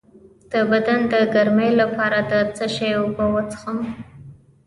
د بدن د ګرمۍ لپاره د څه شي اوبه وڅښم؟